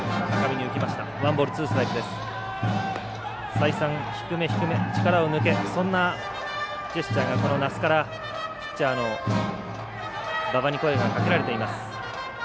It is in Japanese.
再三低め低め、力を抜けそんなジェスチャーが奈須からピッチャーの馬場に声がかけられています。